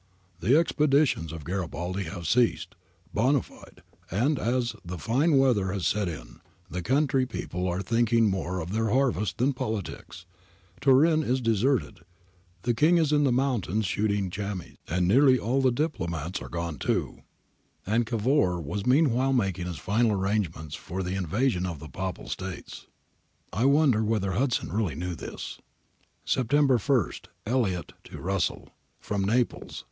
* The expeditions of Garibaldi have ceased, bond fide, and, as the fine weather has set in, the country people are thinking more of their harvest than of politics. Turin is deserted. The King is in the mountains shooting chamois, and nearly all the diplo mats gone too.' [And Cavour was meanwhile making his final arrangements for the invasion of the Papal States : I wonder whether Hudson really knew this.] September i. Elliot to Russell. From Naples.